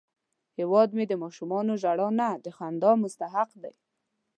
هیواد مې د ماشومانو ژړا نه، د خندا مستحق دی